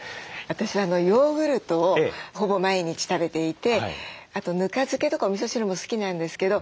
私はヨーグルトをほぼ毎日食べていてあとぬか漬けとかおみそ汁も好きなんですけど